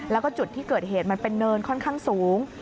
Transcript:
แล้วก็จุดที่เกิดเหตุมันเป็นเนินค่อนข้างสูง